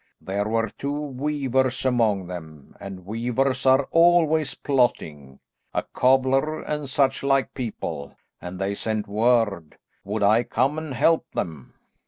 There were two weavers among them and weavers are always plotting; a cobbler, and such like people, and they sent word, would I come and help them.